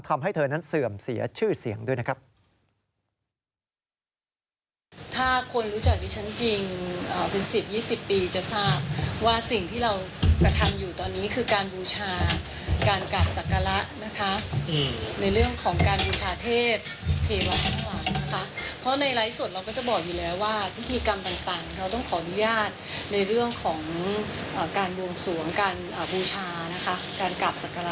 ทำให้เธอนั้นเสื่อมเสียชื่อเสียงด้วยนะครับ